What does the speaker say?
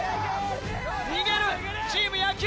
逃げるチーム野球！